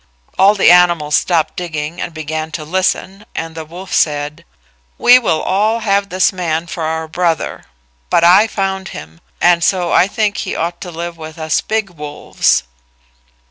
All the animals stopped digging and began to listen, and the wolf said, "We will all have this man for our brother; but I found him, and so I think he ought to live with us big wolves."